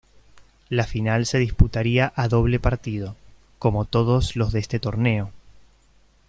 La final se disputaría a doble partido, como todos los de este torneo.